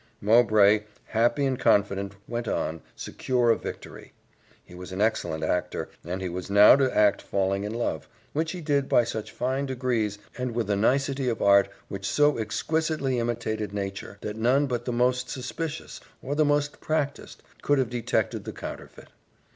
Mowbray, happy and confident, went on, secure of victory. He was an excellent actor, and he was now to act falling in love, which he did by such fine degrees, and with a nicety of art which so exquisitely imitated nature, that none but the most suspicious or the most practised could have detected the counterfeit.